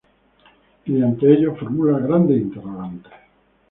Mediante ellos, formula grandes interrogantes".